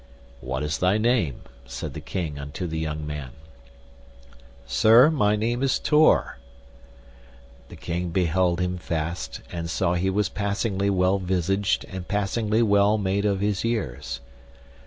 What is thy name? said the king unto the young man. Sir, my name is Tor. The king beheld him fast, and saw he was passingly well visaged and passingly well made of his years.